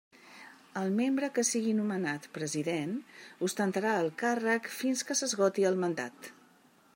El membre que siga nomenat president ostentarà el càrrec fins que s'esgote el mandat.